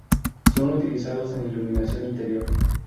Son utilizados en iluminación interior.